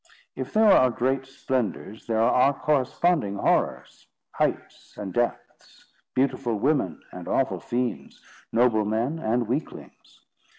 If there are great splendours, there are corresponding horrors; heights and depths; beautiful women and awful fiends; noble men and weaklings.